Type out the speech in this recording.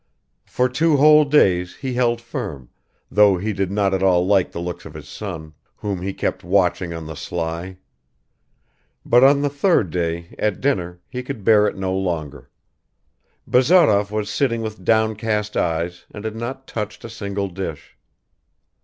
For two whole days he held firm, though he did not at all like the look of his son, whom he kept watching on the sly ... but on the third day at dinner he could bear it no longer. Bazarov was sitting with downcast eyes and had not touched a single dish.